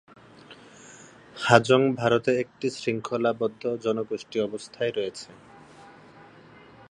হাজং ভারতে একটি শৃঙ্খলাবদ্ধ জনগোষ্ঠীর অবস্থায় রয়েছে।